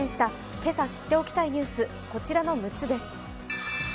今朝知っておきたいニュース、こちらの６つです。